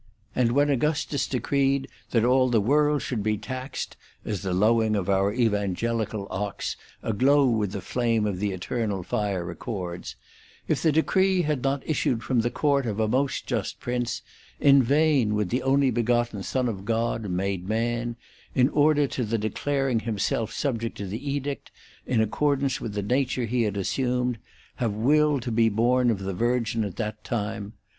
And when Augustus decreed that all the world should be taxed ' (as the lowing of our Evangelic Ox, aglow with the flame of the eternal fire, records), if the decree had not issued from the court of a most just prince, in vain would the only begotten Son of God, made man, in order to the declaring 2 himself sub ject to the edict, in accordance with the nature he had assumed, have willed to be born of the Virgin at that time.